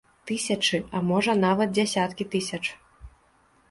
Тысячы, а можа нават дзясяткі тысяч.